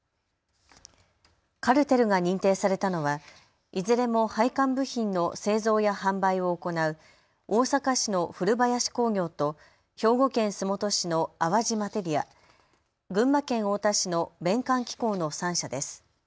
カルテルが認定されたのはいずれも配管部品の製造や販売を行う大阪市の古林工業と兵庫県洲本市の淡路マテリア、群馬県太田市のベンカン機工の３社です。